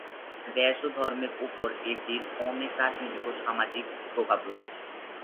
দেশ ও ধর্মের উপর এটির অনেক রাজনৈতিক ও সামাজিক প্রভাব রয়েছে।